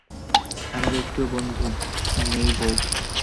আমার একটিও বন্ধু নেই বৌ।